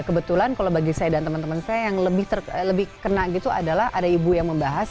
kebetulan kalau bagi saya dan teman teman saya yang lebih kena gitu adalah ada ibu yang membahas